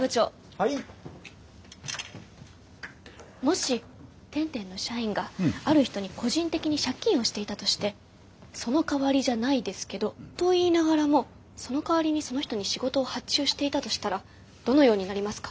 もし天・天の社員がある人に個人的に借金をしていたとして「そのかわりじゃないですけど」と言いながらもそのかわりにその人に仕事を発注していたとしたらどのようになりますか？